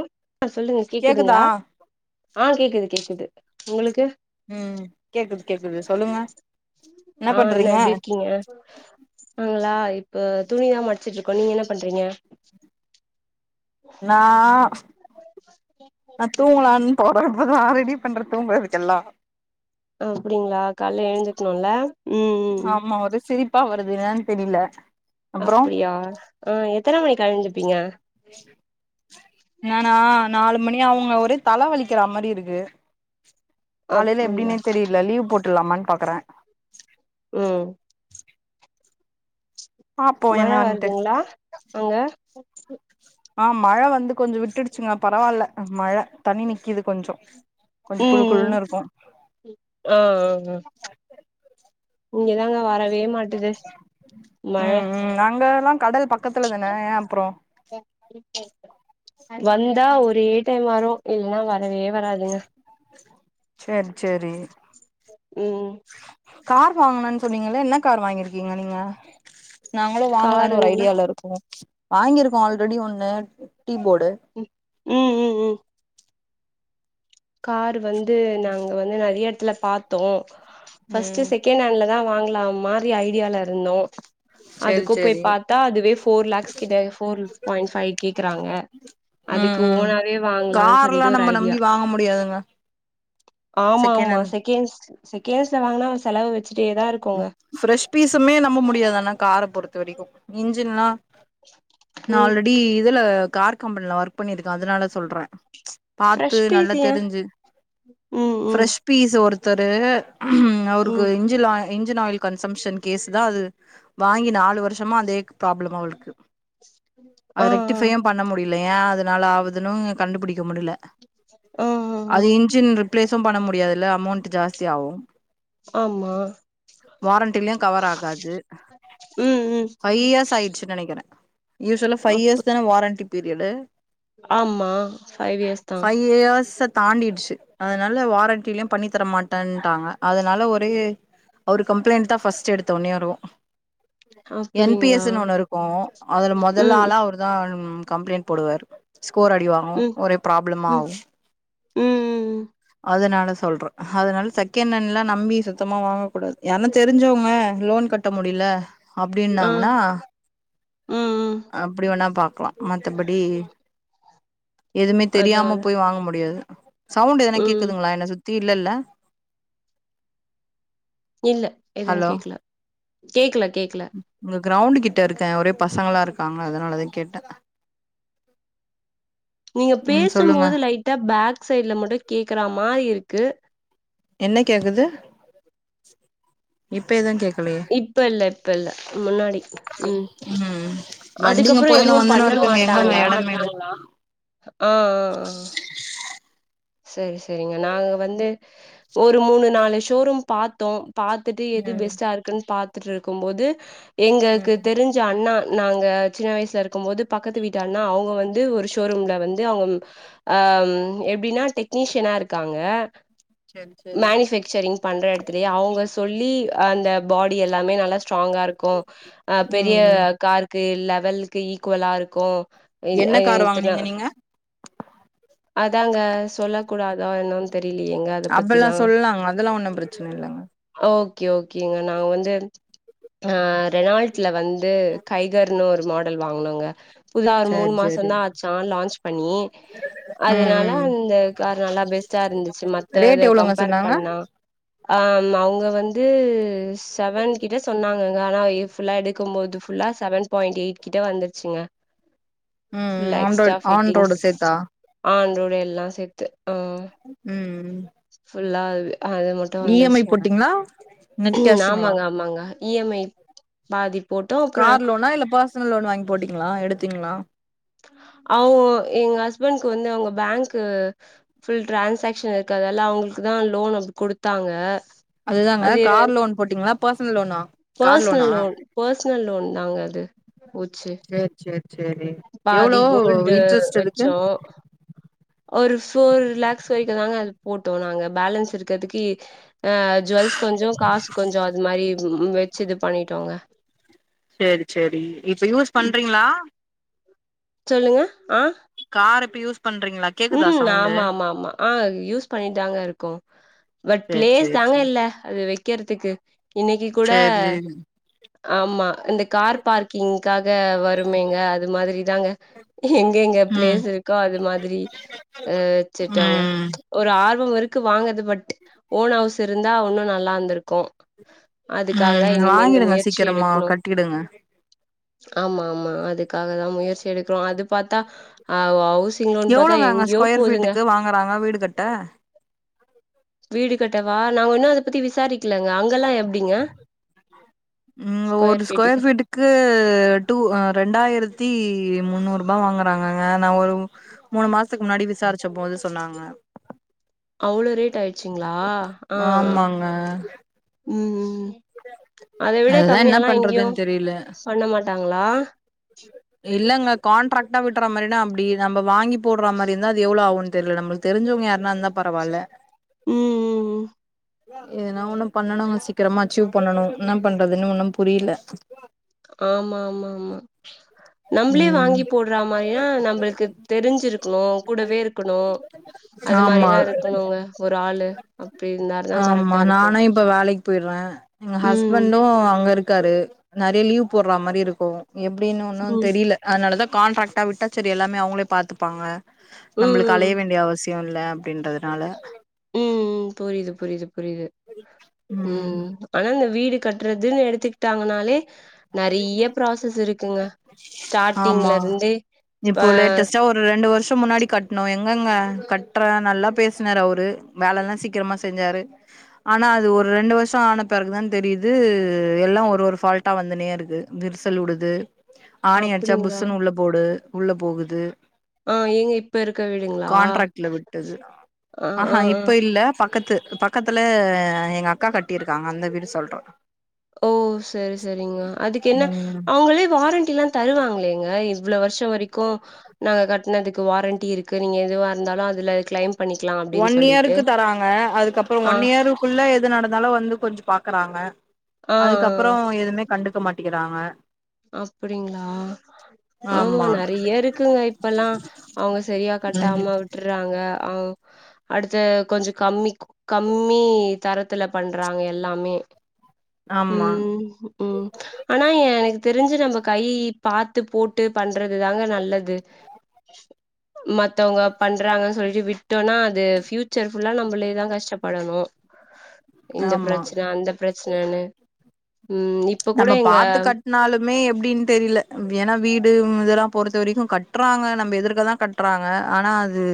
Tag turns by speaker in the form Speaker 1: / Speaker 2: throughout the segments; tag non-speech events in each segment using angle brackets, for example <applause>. Speaker 1: உ ஆ சொல்லுங்க
Speaker 2: கேக்குதா
Speaker 1: கேக்குதுங்களா ஆ கேக்குது கே க்குது உங்களுக்கு
Speaker 2: ம் கேக்குது கேக்குது சொல்லுங்க என்ன
Speaker 1: ஆ நா
Speaker 2: பண்றீங்க
Speaker 1: எப்டி இருக்கீங்க நாங்களா இப்ப துணிதா மடிச்சுட்ருக்கோ நீங்க என்ன பண்றீங்க
Speaker 2: நா நா தூங்கலான் நீ போடரம்போதுதா நா ரெடி பண்றதுக்கெல்லா
Speaker 1: ஓ அப்டிங்களா கால்ல எழுஞ்சிக்கணும்ல உ உ உ
Speaker 2: எப்பா வருது ஏனு தெரியல
Speaker 1: அப்டியா ஆ எத்தன மணிக்கு அழஞ் பீங்க
Speaker 2: சரி சரி நானா நாலு மணி ஆவுங்க ஒரே தல வலிக்கிற மாரி இருக்கு காலையில
Speaker 1: அப்டியா
Speaker 2: எப்டினே தெரியல லீவ் போட் ட்லாமானு பாக்குறே
Speaker 1: உ
Speaker 2: பாப்போ
Speaker 1: மழ
Speaker 2: என்னான்ட்டு
Speaker 1: வருதுங்களா அங்க
Speaker 2: ஆ மழ வந்து கொஞ்ச விட்டுடுச்சுங்களா பரவாயில்ல மழ தன்னி நிக்கிது கொஞ்சோ <inaudible> கொஞ்ச குழு குழுனு இருக்கு
Speaker 1: ஒ ஒ ஒ
Speaker 2: <inaudible>
Speaker 1: இங்க தாங்க வாரே
Speaker 2: உ உ அங்கல்லா கடல் பக்கத்துல தான அ அப்றோ
Speaker 1: வந்தா ஒரே டைம் வரு இல்லனா வரா வரவே வராதுங்க
Speaker 2: சேரி சேரி
Speaker 1: உ
Speaker 2: கார் வாங்கனனுனு சொன்னீங்கள என்ன கார் வாங்கிருக்கீங்க நீங்க நாங்களு வாங்கலானு ஒரு
Speaker 1: காருங்களா
Speaker 2: ஐடியால இருக்கோ வாங்கிருக்கோ ஆல்ரெடி ஒண்ணு டீ போர்டு
Speaker 1: உ உ உ உ காரு வந்து நாங்க வந்து நறையா எடத்துல பாத்தோ ஃபர்ஸ்ட்
Speaker 2: ம்
Speaker 1: செகண்ட் ஹேண்ல தா வாங்கலான் ம்மார் த்ரி ஐடியால இருந்தோ
Speaker 2: செரி
Speaker 1: அதுக்கோ போய்
Speaker 2: செரி
Speaker 1: பாத்தா அதுவே ஃபோர் லாக்ஸ் கித ஃபோர் ஸ் பாய்ண்ட் ஃபை கேக்குறாங்க
Speaker 2: உ
Speaker 1: அதுக்கு ஓனாவே
Speaker 2: உ
Speaker 1: வாங்கலான்னு
Speaker 2: கார்லா
Speaker 1: சொல்லிட்டு ஒரு
Speaker 2: நம்ம
Speaker 1: ஐடியா
Speaker 2: நம்பி வாங்க முடியாதுங் க
Speaker 1: ஆமா ஆமா செகெண்ட்ஸ் செகண்ட்ஸ்ல வாங்கினா ஒரு செலவு வ
Speaker 2: ஃப்ரெஷ் பீசுமே நம்ப முடியாதுனா கார பொறுத்த வரைக்கு இன்ஜின்னா
Speaker 1: ம்
Speaker 2: நாள்ரடி இதுல கார் கம்பெனில ஒர்க் பண்ணிருக்கே அதனால சொல்றே பாத்து
Speaker 1: ஃப்ரெஷ்
Speaker 2: நல்லா
Speaker 1: பீஸ் ஏ
Speaker 2: தெரிஞ்சு
Speaker 1: ம் ம்
Speaker 2: ஃப்ரெஷ் பீஸ் ஒருத் தரு உ அவருக்கு
Speaker 1: ம்
Speaker 2: இஞ்சிலாய் இஞ்சின் ஆயில் கன்சம்ஷன் கேஸ் தா அது வாங்கி நாலு வருஷமா அதே ப்ராப்ளம் அவளுக்கு
Speaker 1: ஆ
Speaker 2: அது
Speaker 1: ஆ
Speaker 2: ரெக்டிஃபேயே பண்ண முடியு இல்லயா அதனால ஆவுதுனு கண்டுபிடிக்க முடில
Speaker 1: ஆ ஆ ஆ
Speaker 2: அது இஞ்சின் ரிப் ப்ளேசு பண்ண முடியாத் இல்ல அமௌண்ட் ஜாஸ்தி ஆவு
Speaker 1: ஆமா
Speaker 2: வாரண்டிலயு கவர் ஆகாது
Speaker 1: ம் ம்
Speaker 2: ஃபை இயர்ஸ் ஆயிடுச்சுனு நனைக்கிரே ந யுஷ்வலா ஃபைவ்
Speaker 1: அப்
Speaker 2: இயர்ஸ் தான வாரண்டி பீர்யடு
Speaker 1: ஆமா ஃபைவ் இயர்ஸ் தா
Speaker 2: ஃபைவ் இயர்ஸ தாண்டிடுச்சு அதனால வாரண்டிலயு பண்ணி தரமாட்டேன்ட்டாங்க அதனால ஒரே அவரு கம்ப்ளைண்ட் தா ஃபஸ்ட் எடுத்த ஒன்னே வரு என் பி
Speaker 1: அப்டிங்களா
Speaker 2: எஸ்ன்னு ஒண்ணு இருக்கு அதுல மொதல்
Speaker 1: ம்
Speaker 2: ஆளா அவரு தா கம்ப்ளைண்ட் போடுவார் ஸ்கோர் அடிவாங்கு
Speaker 1: ம்
Speaker 2: ஒரே ப்ராப்ளமா
Speaker 1: ம்
Speaker 2: ஆகு
Speaker 1: ம்
Speaker 2: அதனால சொல்றே அதனால செகனன்ல நம்பி சுத்தம் தம்மா வாங்க கூடாது ஏன்னா தெரிஞ்சவங்க லோன் கட்ட முடியல
Speaker 1: ஆ
Speaker 2: அப்டின்னாங்கனா
Speaker 1: ம் ம்
Speaker 2: அப்டி வேணா பாப் பா மத்தபடி எதுமே
Speaker 1: அதா
Speaker 2: தெரியாம
Speaker 1: அதா
Speaker 2: போய் வாங்க முடியாது சவுண்ட் எதனா
Speaker 1: ம்
Speaker 2: கேக்குதுங்களா என்ன சுத் தி இல்லல்ல
Speaker 1: இல்ல எதுவு
Speaker 2: ஹலோ
Speaker 1: கேக்கல கேக்கல கேக்கல
Speaker 2: கிரௌண்டு கிட்ட இருக்கே ஒரே பசங்களா இருக்காங்களா அதனாலதா கேட்டே
Speaker 1: நீங்க பேசும்போது லைட்டா பேக் சைட்ல மட்டு கேக்குற மாரி இருக் க்கு
Speaker 2: என்ன கேக்குது இப்பயது கேக்
Speaker 1: இப்ப இல்ல இப்ப இல்ல முன்னாடி உ
Speaker 2: ம் வண்டிங்க
Speaker 1: அதுக்கப்புறோ
Speaker 2: போயினு
Speaker 1: எதுவு
Speaker 2: வந்துனு
Speaker 1: பண்ண
Speaker 2: இருக்குங்க எங்கங்க
Speaker 1: மாட்டாங்களா
Speaker 2: எடமே இல்ல
Speaker 1: ஆ ஆ ஆ சரி ச சரிங்க நாங்க வந்து ஒரு மூணு நாலு ஷோரூம் பாத்தோ பாத்துட்டு எது
Speaker 2: ம்
Speaker 1: பெஸ்டா இருக்குன்னு பாத் துட்ருக்கும்போது எங்களுக்கு
Speaker 2: ம்
Speaker 1: தெரிஞ்ச அண்ணா நாங்க சின்ன வயசுல இருக்கும் போது பக்கத்து வீட்டான்னா அவங்க வந்து ஒரு ஷோரூம்ல வந்து அவங்க ஆ எப்டின்னா டெக்னீஷியனா இருக்காங்க
Speaker 2: செரி செரி
Speaker 1: மேனிஃபேக்சரிங் பண்ற எடத்துலயே அவங்க சொல்லி அந்த பாடி எல்லாமே நல்லாச் ஸ்ட்ராங்கா இருக்கு ஆ பெரிய
Speaker 2: ம் ம்
Speaker 1: கார்க்கு கு லெவலுக்கு ஈக்வலா இருக்கு இ
Speaker 2: என்ன கார்
Speaker 1: இத்தன
Speaker 2: வாங்கனீங்க நீங்க
Speaker 1: அதாங்க சொல்ல கூடாதா என்னனு
Speaker 2: அப்பல்லா சொல்லலாங்க அதெல்லா ஒண்ணு பிரச்சன இல்லங்க
Speaker 1: ஓகே ஓகேங்க நாங்க வந்து ஆ ரெனால்ட்ல வந்து து கைகற் னு ஒரு மாடல் வாங்குனோங்க புதா ஒரு மூணு
Speaker 2: சேரி சேரி
Speaker 1: மாசோந்தா ஆச்சா லான்ச் பண்ணி
Speaker 2: ம்
Speaker 1: அதனால
Speaker 2: ம்
Speaker 1: அந்த கார் நல்லா பெஸ்ட்டா இருந்துச்சு
Speaker 2: ரேட்
Speaker 1: மத்தத
Speaker 2: எவ்ளோங்க
Speaker 1: கம்பேர்
Speaker 2: சொன்னாங்க
Speaker 1: பண்ணா ஆமா அவங்க வந்து செவன்கிட்ட சொன்னாங் ஆனால்லா இது ஃபுல்லா எடுக்கும்போது ஃபுல்லா செவன் பாயிண்ட் எயிட் கிட்ட வந்துருச்சுங்க
Speaker 2: ம்
Speaker 1: ஃபு
Speaker 2: ம்
Speaker 1: எக்ஸ்டா
Speaker 2: ஆண்ட்ராய்டு ஆண்ட்ராய்டு
Speaker 1: ஃபிட்டிங்ஸ்
Speaker 2: சேத்தா
Speaker 1: ஆன் ரோட் வெல்லா சேத்
Speaker 2: உ உ
Speaker 1: ஃபுல்லாவே அது மட்டு வந்துருச்சிங்க உ
Speaker 2: நெட் கேஷுங்களா
Speaker 1: ஆமாங்க ஆமாங்க இ எம் ஐ பாதி ஃபோட்டோ அப்றே
Speaker 2: கார் லோனா இல்ல பர்சனல் லோன் வாங்கி போட்டீங்களா எடுத்தீங்களா
Speaker 1: அவங்கோ எங்க ஹஸ்பண்ட் வந்து அவங்க பேங்கு ஃபுல் டிரான்சாகஷன் இருக்கனால அவங்களுக்கு தா லோன் வந்து குடுத்தாங்க
Speaker 2: அதுதாங்க
Speaker 1: அது
Speaker 2: கார் லோன் போட்டீங்களா பர்சனல் லோனா கார்
Speaker 1: பர்சனல்
Speaker 2: லோனா
Speaker 1: லோன் பர்சனல் லோன் தாங்க அது போச்சு
Speaker 2: சேரி சேரி சேரி எவ்ளோ
Speaker 1: பாதி கோல்டு
Speaker 2: இன்ட்ரெஸ்ட் இருக்கு
Speaker 1: வச்சோ ஒரு ஃபோர் லாக்ஸ் வரைக்கு தாங்க அதுல போட்டோ நாங்க பேலன்ஸ் இருக்கிறதுக்கு ஆ ஜுவெல்ஸ் கொஞ்சோ காசு கொஞ்சோ அது மாரி ம் வெக் ச்சு இது பண்ணிட்டோங்க.
Speaker 2: சேரி சேரி இப்ப யூஸ்
Speaker 1: ம்,
Speaker 2: பண்றீங்களா?
Speaker 1: சொல்லுங்க ஆ
Speaker 2: கார் இப்ப யூஸ் பண்றீங்களா கேக்குதா
Speaker 1: ம்
Speaker 2: சவுண்டு
Speaker 1: ஆமா ஆமா ஆமா ஆ யூஸ் பண்ணிட்டுதாங்க இருக்கோ பட்
Speaker 2: சேரி சேரி
Speaker 1: பிளேஸ்தாங்க இல்ல அது வைக்கறதுக்கு இன்னைக்கி கூட
Speaker 2: சேரி சேரி
Speaker 1: ஆமா இந்த கார் பார்க்கிங் க்காக வருமேங்க அது மாதிரி தாங்க எங்க எங்க
Speaker 2: ம்
Speaker 1: பிளேஸ் இருக்கோ அது மாதிரி ஆ வச்சுட்டோங்க
Speaker 2: ம்
Speaker 1: ஒரு ஆர்வோ இரு கு வாங்கறது பட் ஓன் ஹவுஸ் இருந்தா இன்னு நல்லா இருந்திருக்கு
Speaker 2: ம் வாங்கிடுங்க சீக்கிரமா கட்டிடுங்க
Speaker 1: ஆமா ஆமா அதுக்காகதா முயற்சி எடுக்கிறோ அது பாத்தா ஆ ஹவு சிங் லோன் பாத்
Speaker 2: ளோதாங்க ஸ்கொயர் ஃபீட்டுக்கு வாங்கறாங்க வீடு கட்ட?
Speaker 1: வீடு கட்டவா நாங்க இன்னு அத பத்தி விசாரிக்கலங்க அங்கெல்லா எப்
Speaker 2: ம் ஒரு ஸ்கொயர் ஃபீட்டுக்கு டூ ஆ ரெண்டாயிரத்தி முந்நூறு ருபா வாங்கறாங்கங்க நா ஒரு மூணு மாசத்துக்கு முன்னாடி விசாரிச்ச போது சொன்னாங்க.
Speaker 1: அவ்ளோ ரேட் ஆய்டு ச்சுங்களா ஆ ஆ
Speaker 2: ஆமாங்க
Speaker 1: ம் ம் ம் அத விட
Speaker 2: அதுதா என்ன
Speaker 1: கம்மியால்லா எங்கயு
Speaker 2: பண்றதுன் தெரில
Speaker 1: பண்ண மாட்டாங்களா?
Speaker 2: இல்லங்க கான்ட்ராக்டா விட்ற மாரின்னா அப்டி நம்ம வாங்கிப் போடுறா மாரி இருந்தா அது எவ்ளோ ஆகுன்னு தெரியல நம்மளுக்கு தெரிஞ்சவங்க யாருனா இருந்தா பரவால்ல <inaudible>
Speaker 1: ம் ம் ம்
Speaker 2: எதுனா ஒண்ணு பண்ணனுங்க சீக்கிரமா அச்சீவ் பண்ணனு என்ன பண்றதுன்னு ஒண்ணும் புரியல.
Speaker 1: ஆமா ஆமா ஆமா நம்பளே
Speaker 2: ம்
Speaker 1: வாங்கிப் போடுறா மாரினா நம்பளுக்கு தெரிஞ்சிருக்கணு கூடவே இருக்கணு அது
Speaker 2: ஆமா
Speaker 1: மாரிலா இருக்கணுங்க ஒரு ஆளு அப்டி இருந்தாதா
Speaker 2: ஆமா
Speaker 1: கரெக்டா இருக்கு
Speaker 2: நானு இப்ப வேலைக்கு போயிட்றே எங்க
Speaker 1: ம்
Speaker 2: ஹஸ்பண்டு போட்றா மாரி இருக்கு எப்டின்னு ஒன்னு
Speaker 1: ம்
Speaker 2: தெரியல அதுனாலதா கான்ட்ராக்டா விட்டா சரி எல்லாமே அவங்களே பாத்துப்பாங்க
Speaker 1: ம்
Speaker 2: நம்மளுக்கு அலைய
Speaker 1: ம்
Speaker 2: வேண்டிய அவசிய யோ இல்ல அப்டின்றதுனால
Speaker 1: உ உ புரியுது புரியுது புரியுது உ
Speaker 2: ம்
Speaker 1: ஆனா இந்த வீடு கட்டுறதுன்னு எடுத்துக்கிட்டாங்கனாலே நறையா ப்ராசஸ் இருக்
Speaker 2: ஆமா
Speaker 1: இப்ப
Speaker 2: இப்போ லேட்டஸ்ட்டா ஒரு ரெண்டு வருஷோ முன்னாடி கட்ணோ எங்கங்க கட்டுற நல்லா பேசனாரு அவரு வேலலா சீக்கிரமா செஞ்சாரு ஆனா அது ஒரு ரெண்டு வருஷோ ஆனப்பெரகுதா தெரியுது எல்லா ஒரு ஒரு ஃபால்ட்டா வந்துனே இருக்கு விரசல் வுடுது ஆணி அடிச்சா
Speaker 1: அப்டிங்களா
Speaker 2: புஸ்ஷன்னு உள்ள போடு உள்ள போகுது
Speaker 1: ஆ எங்க இப்ப இருக்க வீடுங்களா
Speaker 2: கான்ட்ராக்ட்ல விட்டது
Speaker 1: ஆ
Speaker 2: ஆஹா
Speaker 1: ஆ ஆ
Speaker 2: இப்ப இல்ல பக்கத்து பக்கத்துல எங்க அக்கா கட்டியிருக்காங்க அபந்த வீடு சொல்றோ
Speaker 1: ஓ சரி சரிங்க அதுக்கு என்ன
Speaker 2: ம்
Speaker 1: அவங்களே வாரண்டி எல்லா தருவாங்களேங்க இவ்வள வருஷ ஷோ வரைக்கு நாங்க கட்டினதுக் வாரண்டி இருக்கு நீங்க எதுவா இருந்தாலு அதுல கிளைம் பண்ணிக்கலா
Speaker 2: ஒன்
Speaker 1: அப்டின்னு சொல்லிட்டு
Speaker 2: இயருக்கு தராங்க அதுக்கப்புறற
Speaker 1: ஆ
Speaker 2: ஒன் இயருக்குள்ள எது நடந்தாலு வந்து கொஞ்ச பா கறாங்க
Speaker 1: ஆ ஆ
Speaker 2: அதுக்கப்புறோஎதுமே கண்டுக்க மாட் க்கிறாங்க
Speaker 1: அப்டிங்களா ஆமா நறையா இருக்குங்க இப்பல்லா அவங்க சரியா
Speaker 2: ம்
Speaker 1: கட்டாம விட்டுற்றாங்க அவ் அடுத்த கொஞ்ச கம்மி கம்மி தரத்துல பண்றாங்க எல்லாமே உ
Speaker 2: ஆமா
Speaker 1: உ ஆனா ஏ னக்கு தெரிஞ்சு நம்ம கை பாத்து போட்டு பண்றது தாங்க நல்லது மத்தவங்க பண்றாங்கன்னு சொல்லிட்டு விட்டோம்னா அது பிஃயூச்சர்ஃபுல்லா நம்மளேதா கஷ்டப்படணு இந்த
Speaker 2: ஆமா
Speaker 1: பிரச்சன அந்த பிரச்சனனு உ இப்ப கூட எங்க
Speaker 2: மே எப்டின்னு தெரில ஏன்னா வீடு இதெல்லா பொறுத்த வரைக்கு கட்டுறாங்க நம்ம எதுக்கதா கட்றாங்க ஆனா அது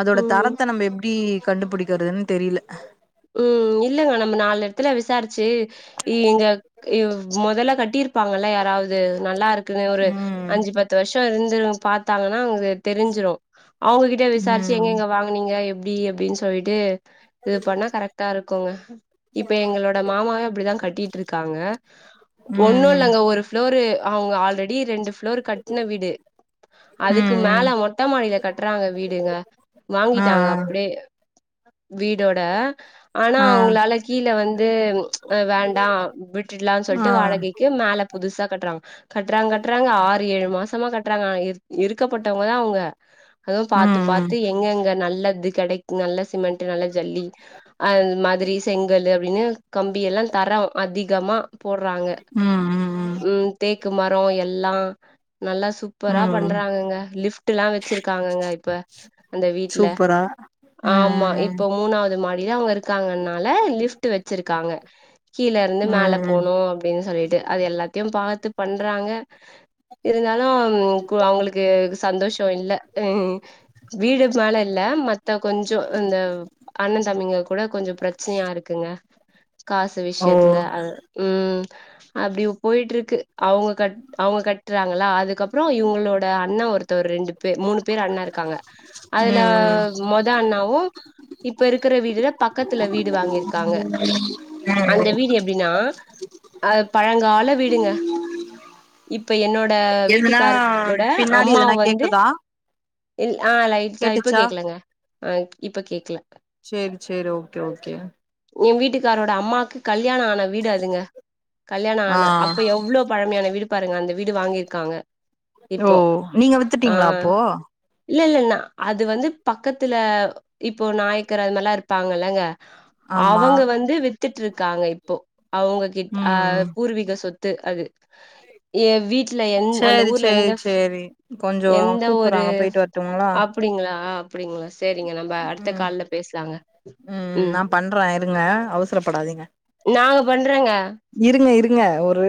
Speaker 2: அதோட
Speaker 1: ம்.
Speaker 2: தரத்த நம்ம எப்டி கண்டுபிடிக்குறதுன்னு தெரியல
Speaker 1: ம் இல்லங்க நம்ம நாலு எடத்ல விசாரிச்ச ச்சி இங்க மொதல்ல கட்டியிருப்பாங்கல்ல யாராவது நல்லா இருக்கு இரு ஒரு
Speaker 2: ம்
Speaker 1: அஞ்சு பத்து வருஷோ இருந்து பாத்தாங்கன்னா அவுங்க தெரிஞ்சிரு அவுங்ககிட்ட விசாரிச்சு
Speaker 2: ம்
Speaker 1: எங்க எங்க வாங்குனீங்க எப் இப்டி அப்டின்னு சொல்லிட்டு இது பண்ணா கரெக்டா இருக்குங்க இப்ப எங்களோட மாமாவே அப்டிதா கட்டிட்டு இருக்காங்க ஒன்னு
Speaker 2: ம்
Speaker 1: இல்லங்க ஒரு ஒரு அவுங்க ஆல்ரெடி ரெண்டு இ்ன்னோரு ஒரு கட்ன வீடு அதுக்கு
Speaker 2: ம் ம்
Speaker 1: மேல மொட்ட மாடியில கட்றாங்க வீடுக
Speaker 2: ஆ
Speaker 1: வாங்கிட்டாங்க அப்டியே வீடோட ஆனா
Speaker 2: ஆ
Speaker 1: அவுங்களால கீழ வந்து வேண்டா விட்டுடலா
Speaker 2: ஆ
Speaker 1: சொல்லிட்டு வாடகைக்கு மேல புதுசா கட்றாங்க கட்றாங்க கட்றாங்க ஆர் ஏழு மாசமா கட்றாங்க ஆன இருக்கப்பட்டவங்கதா அவுங்க அதுவு பாத்து பாத்து
Speaker 2: ம்
Speaker 1: எங்க எங்க நல்ல நல்ல இது கிடைக்கு நல்ல சிமெண்ட் நல்ல ஜல்லி அந்த மாதிரி செங்கலு அப்டின்னு கம்பி எல்லா தரோ அதிகமா போட்றாங்க
Speaker 2: ம் ம்
Speaker 1: உம் தே தேக்கு மரோ எல்லா நல்லா
Speaker 2: ம்
Speaker 1: சூப்பரா
Speaker 2: ம்
Speaker 1: பண்றாங்கங்க லிப்ட்ல்லாம வச்சுருக்காங்கங்க இப்ப அந்த வீட்ல
Speaker 2: சூப்பரா
Speaker 1: ஆமா
Speaker 2: ம்
Speaker 1: இப்ப மூனாவது இந்ததுமான ஏனா அவுங்க இருக் இருக்காங்கனால லிப்ட் வச்சிருக்காங்க கீழ இருந்து
Speaker 2: ம்
Speaker 1: மேல
Speaker 2: ம்
Speaker 1: போனு அப்டின்னு சொல்லிட்டு அது எல்லாத்தையு பாத்து பண்றாங்க இருந்தாலு அப்றோ அவுங்களுக்கு சந்தோஷ இல்ல ம் வீடு மேல இ மத்த கொஞ்சோ இந்த அண்ண தம்பிங்க கூட கொஞ்சோ பிரச்சனையா இருக்குங்க காசு
Speaker 2: ஓ
Speaker 1: விஷயத்துல அது ம் அப்டி போயிட்ருக்கு அவங்க கட் அவங்க கட்றாங்கல்ல அதுக்கப்புறோ இவங்களோட அண்ணா ஒருத்தரு ரெண்டு பேர் மூணு பேர் அண்ணா இருக்காங்க. அதுல
Speaker 2: ம்
Speaker 1: மொத அண்ணாவு இப்ப இருக் கிற வீதில பக்கத்துல வீடு வாங்கிரு க்காங்க
Speaker 2: ம்
Speaker 1: அந்த வீடு எப்டின்னா அது பழங்கால வீடுங்க இப்ப என்னோ ட
Speaker 2: எதுனா
Speaker 1: வீட்டுக்காரோட
Speaker 2: பின்னாடி
Speaker 1: அம்மா
Speaker 2: எதுனா
Speaker 1: வந்து
Speaker 2: கேக்குதா
Speaker 1: இல் ஆ லைட்டா இப்ப
Speaker 2: கேட்டுச்சா
Speaker 1: கேக்கலங்க ஆ இப்ப கேக்கல
Speaker 2: சேரி சேரி ஓகே ஓகே
Speaker 1: எங்க வீட்டுக்காரோட அம்மாக்கு கல்யாண ஆன வீடு அதுங்க. கல்யாண
Speaker 2: ஆ
Speaker 1: ஆன அப்ப எவ்ளோ பழமையா ன வீடு பாருங்க அந்த வீடு வாங்கியிருக்காங்க
Speaker 2: ஓ
Speaker 1: இப்போ
Speaker 2: நீங்க
Speaker 1: ஆ
Speaker 2: வித்துட்டீங்களா அப்போ?
Speaker 1: இல்ல இல்ல நா அது வந்து பக்கத்துல இப்போ நாயக் கரு அதுமாரில்லா இருப்பாங்கல்லங்க
Speaker 2: ஆமா
Speaker 1: அவங்க வந்து வித்துட்ருக்காங்க இப்போ அவங்க கிட் ஆ
Speaker 2: ம்
Speaker 1: பூர்வீக சொத்து அது ஏ வீட்ல எங் அந்த
Speaker 2: சேரி
Speaker 1: ஊர்ல எந்த
Speaker 2: சேரி சேரி கொஞ்சோ
Speaker 1: எந்த ஒரு
Speaker 2: கூப்புறாங்க போயிட்டு வரட்டுங்களா
Speaker 1: அப்டிங்களா அப்டிங்களா சே ரிங்க நம்ப அடுத்த
Speaker 2: ம்
Speaker 1: கால்ல பேசலாங்க
Speaker 2: ம் நா பண்றே இருங்க அவசரப்படாதீங்க
Speaker 1: நாங்க பண்றேங்க
Speaker 2: இருங்க இருங்க ஒரு